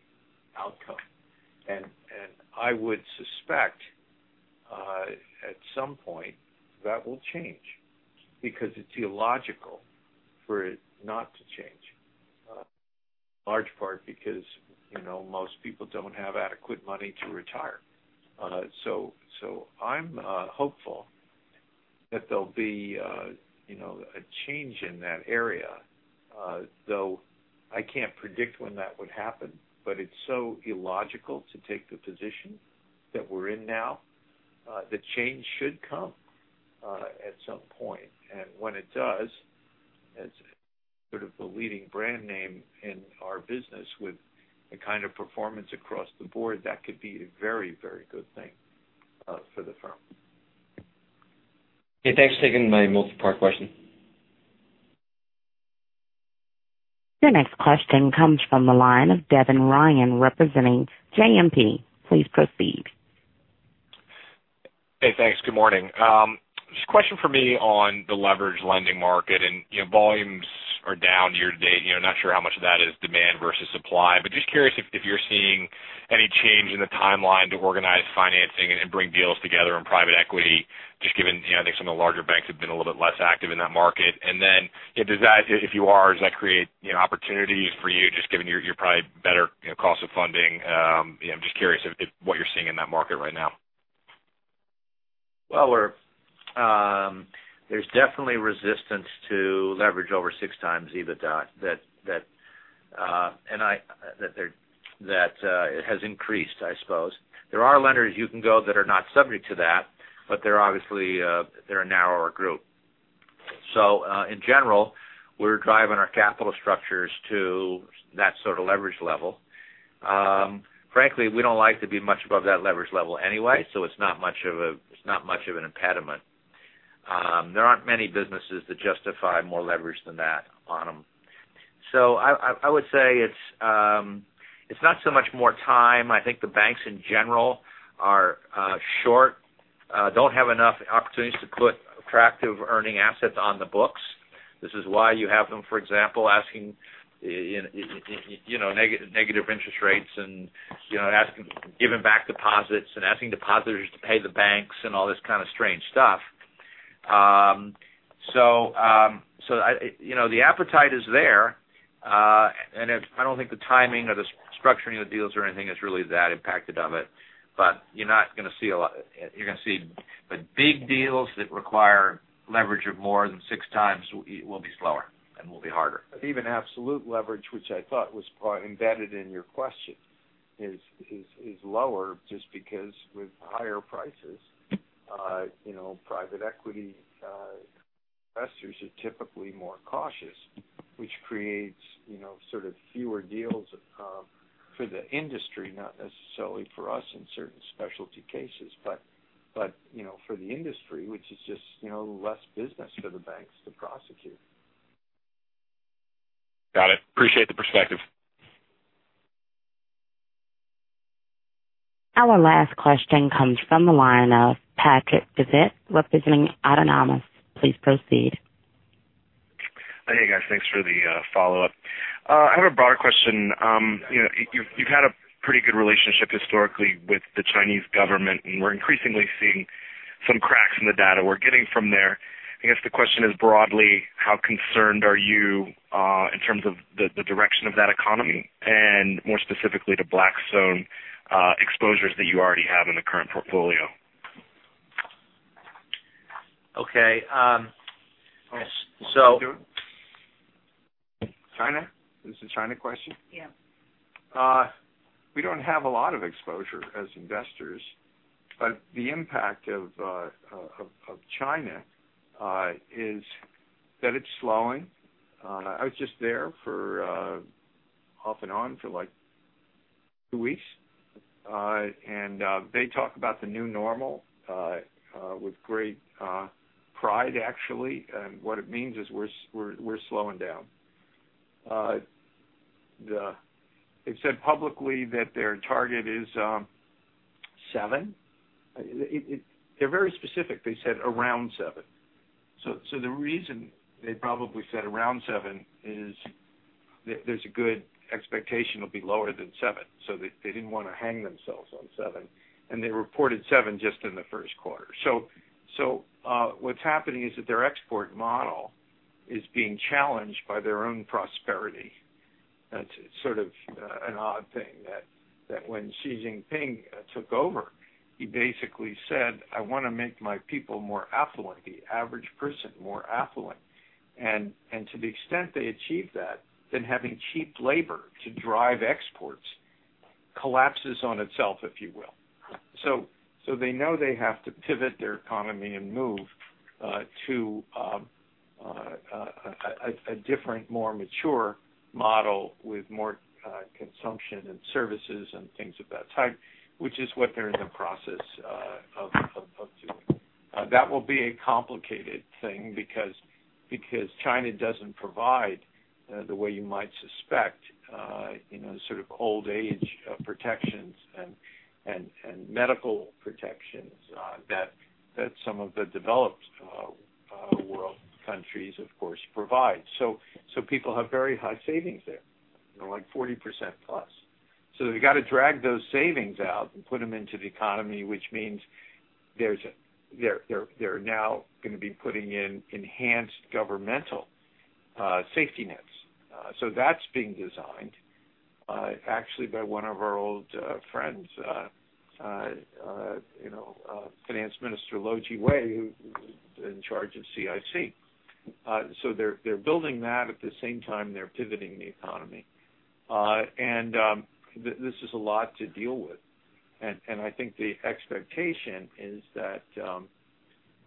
Speaker 3: outcome. I would suspect, at some point, that will change because it's illogical for it not to change. Large part because most people don't have adequate money to retire. I'm hopeful that there'll be a change in that area, though I can't predict when that would happen, it's so illogical to take the position that we're in now, that change should come at some point. When it does, as sort of the leading brand name in our business with the kind of performance across the board, that could be a very, very good thing for the firm.
Speaker 13: Okay, thanks for taking my multi-part question.
Speaker 1: Your next question comes from the line of Devin Ryan representing JMP. Please proceed.
Speaker 14: Hey, thanks. Good morning. Just a question for me on the leverage lending market, volumes are down year to date. Not sure how much of that is demand versus supply, just curious if you're seeing any change in the timeline to organize financing and bring deals together in private equity, just given I think some of the larger banks have been a little bit less active in that market. If you are, does that create opportunities for you, just given your probably better cost of funding? I'm just curious what you're seeing in that market right now.
Speaker 7: Well, there's definitely resistance to leverage over six times EBITDA. That has increased, I suppose. There are lenders you can go that are not subject to that, they're obviously a narrower group. In general, we're driving our capital structures to that sort of leverage level. Frankly, we don't like to be much above that leverage level anyway, it's not much of an impediment. There aren't many businesses that justify more leverage than that on them. I would say it's not so much more time. I think the banks in general are short, don't have enough opportunities to put attractive earning assets on the books. This is why you have them, for example, asking negative interest rates and giving back deposits and asking depositors to pay the banks and all this kind of strange stuff. The appetite is there. I don't think the timing or the structuring of deals or anything is really that impacted of it. You're going to see the big deals that require leverage of more than six times will be slower and will be harder.
Speaker 3: Even absolute leverage, which I thought was quite embedded in your question, is lower just because with higher prices private equity investors are typically more cautious, which creates sort of fewer deals for the industry, not necessarily for us in certain specialty cases. For the industry, which is just less business for the banks to prosecute.
Speaker 14: Got it. Appreciate the perspective.
Speaker 1: Our last question comes from the line of Patrick Davitt representing Autonomous. Please proceed.
Speaker 10: Hey, guys. Thanks for the follow-up. I have a broader question. You've had a pretty good relationship historically with the Chinese government, and we're increasingly seeing some cracks in the data we're getting from there. I guess the question is broadly, how concerned are you in terms of the direction of that economy and more specifically to Blackstone exposures that you already have in the current portfolio?
Speaker 7: Okay.
Speaker 3: You want me to do it? China? Is this a China question? Yeah. We don't have a lot of exposure as investors, but the impact of China is that it's slowing. I was just there off and on for like two weeks. They talk about the new normal with great pride, actually. What it means is we're slowing down. They've said publicly that their target is seven. They're very specific. They said around seven. The reason they probably said around seven is that there's a good expectation it'll be lower than seven. They didn't want to hang themselves on seven. They reported seven just in the first quarter. What's happening is that their export model is being challenged by their own prosperity. That's sort of an odd thing that when Xi Jinping took over, he basically said, "I want to make my people more affluent, the average person more affluent." To the extent they achieve that, then having cheap labor to drive exports collapses on itself, if you will. They know they have to pivot their economy and move to a different, more mature model with more consumption and services and things of that type, which is what they're in the process of doing. That will be a complicated thing because China doesn't provide, the way you might suspect, sort of old age protections and medical protections that some of the developed world countries, of course, provide. People have very high savings there, like 40% plus. They've got to drag those savings out and put them into the economy, which means they're now going to be putting in enhanced governmental safety nets. That's being designed, actually by one of our old friends, Finance Minister Lou Jiwei, who's in charge of CIC. They're building that at the same time they're pivoting the economy. This is a lot to deal with. I think the expectation is that,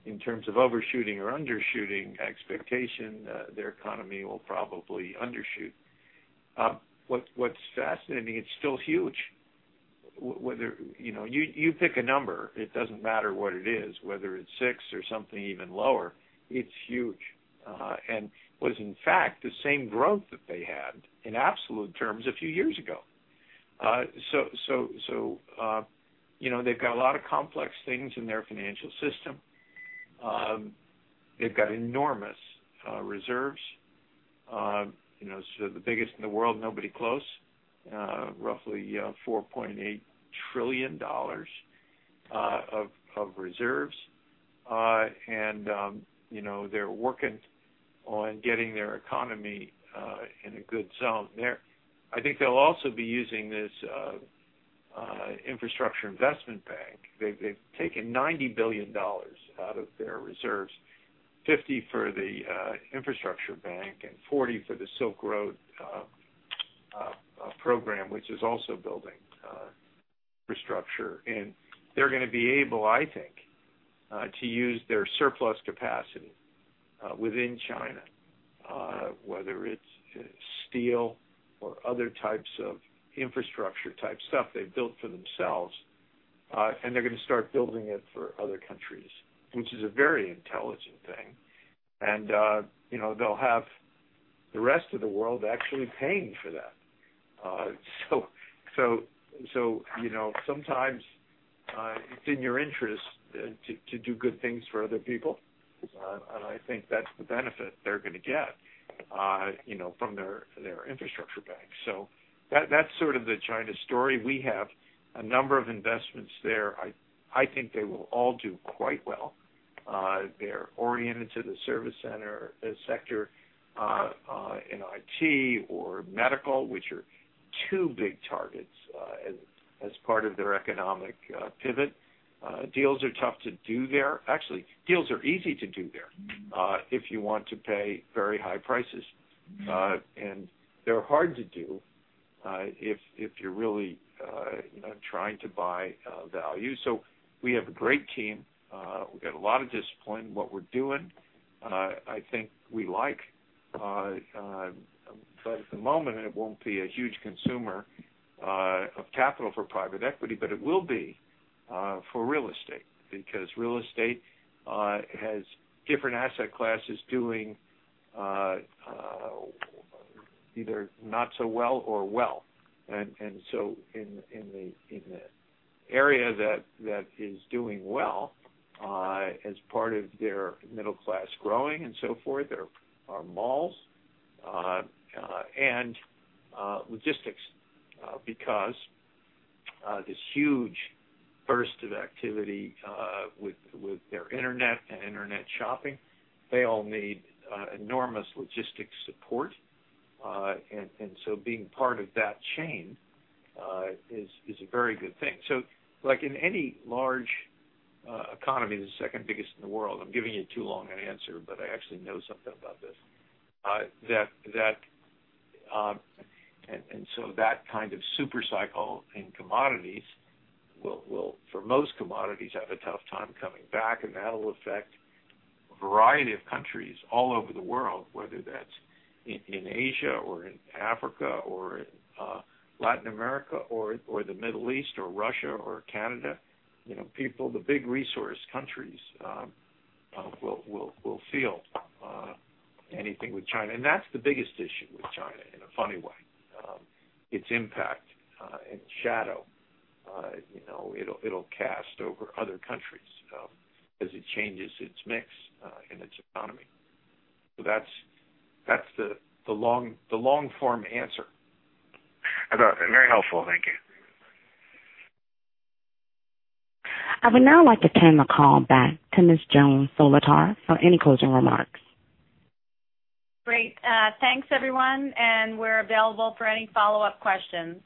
Speaker 3: in terms of overshooting or undershooting expectation, their economy will probably undershoot. What's fascinating, it's still huge. You pick a number, it doesn't matter what it is, whether it's 6 or something even lower, it's huge. Was, in fact, the same growth that they had in absolute terms a few years ago. They've got a lot of complex things in their financial system. They've got enormous reserves, sort of the biggest in the world, nobody close. Roughly $4.8 trillion of reserves. They're working on getting their economy in a good zone there. I think they'll also be using this infrastructure investment bank. They've taken $90 billion out of their reserves, 50 for the infrastructure bank and 40 for the Silk Road program, which is also building infrastructure. They're going to be able, I think, to use their surplus capacity within China, whether it's steel or other types of infrastructure type stuff they've built for themselves, and they're going to start building it for other countries, which is a very intelligent thing. They'll have the rest of the world actually paying for that. Sometimes it's in your interest to do good things for other people, and I think that's the benefit they're going to get from their infrastructure bank. That's sort of the China story. We have a number of investments there. I think they will all do quite well. They're oriented to the service center sector, in IT or medical, which are two big targets as part of their economic pivot. Deals are tough to do there. Actually, deals are easy to do there, if you want to pay very high prices. They're hard to do if you're really trying to buy value. We have a great team. We've got a lot of discipline in what we're doing. I think we like, but at the moment, it won't be a huge consumer of capital for private equity, but it will be for real estate, because real estate has different asset classes doing either not so well or well. In the area that is doing well, as part of their middle class growing and so forth, are malls and logistics, because this huge burst of activity with their internet and internet shopping, they all need enormous logistics support. Being part of that chain is a very good thing. Like in any large economy, the second biggest in the world, I'm giving you too long an answer, but I actually know something about this. That kind of super cycle in commodities will, for most commodities, have a tough time coming back, and that'll affect a variety of countries all over the world, whether that's in Asia or in Africa or in Latin America or the Middle East or Russia or Canada. The big resource countries will feel anything with China. That's the biggest issue with China, in a funny way. Its impact and shadow, it'll cast over other countries as it changes its mix in its economy. That's the long-form answer.
Speaker 10: Very helpful. Thank you.
Speaker 1: I would now like to turn the call back to Ms. Joan Solotar for any closing remarks.
Speaker 2: Great. Thanks, everyone, and we're available for any follow-up questions.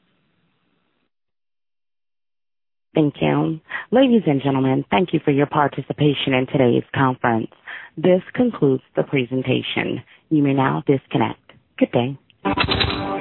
Speaker 1: Thank you. Ladies and gentlemen, thank you for your participation in today's conference. This concludes the presentation. You may now disconnect. Good day.